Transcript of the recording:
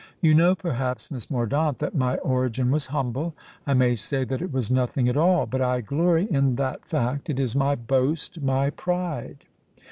You know, perhaps, Miss Mordaunt, that my origin was humble—I may say that it was nothing at all. But I glory in that fact: it is my boast—my pride."